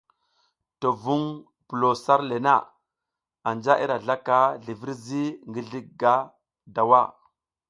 To vuŋ pulo sar le na anja i ra zlaka zlivirzi ngi zlǝga dawa.